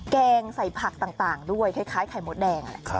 แกงใส่ผักต่างด้วยคล้ายไข่มดแดง